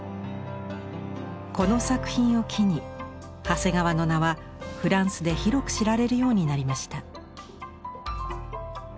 この作品を機に長谷川の名はフランスで広く知られるようになりました。